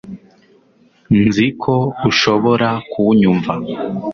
nzi ko ushobora kunyumva